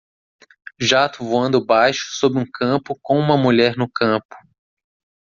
Jato voando baixo sobre um campo com uma mulher no campo.